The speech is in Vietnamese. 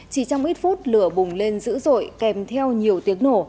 chỉ trong ít phút lửa bùng lên dữ dội kèm theo nhiều tiếng nổ